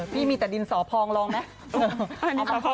พี่มีแต่ดินสอพองลองไหม